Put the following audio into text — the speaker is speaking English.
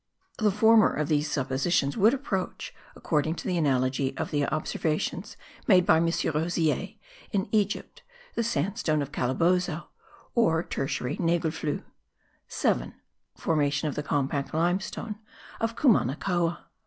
The former of these suppositions would approach, according to the analogy of the observations made by M. Roziere in Egypt, the sandstone of Calabozo, or tertiary nagelfluhe. 7. FORMATION OF THE COMPACT LIMESTONE OF CUMANACOA.